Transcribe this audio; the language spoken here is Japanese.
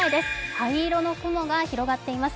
灰色の雲が広がっています。